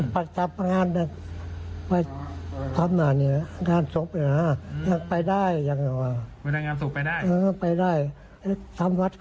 ไปหน้า